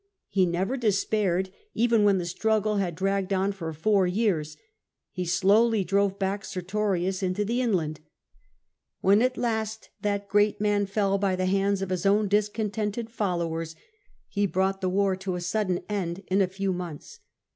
He never de spaired, even when the struggle had dragged on for four years: he slowly drove back Sertorius into the inland: when at last that great man fell by the hands of his own discontented followers, he brought the war to a sudden end in a few months.